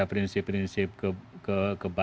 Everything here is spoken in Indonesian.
ada prinsip prinsip kebaikan keadilan kejujuran kesetaraan